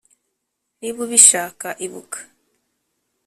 niba ubishaka, ibuka,